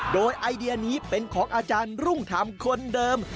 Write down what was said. โดยไอเดียนี้เป็นของอาจารย์รุ่งธรรมคนเดิม